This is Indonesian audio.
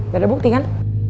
gak ada bukti kan